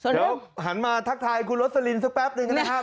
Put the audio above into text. เดี๋ยวหันมาทักทายคุณโรสลินสักแป๊บหนึ่งนะครับ